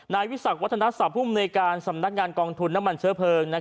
นายวิสักวัฒนศาสภูมิในการสำนักงานกองทุนน้ำมันเชื้อเพลิง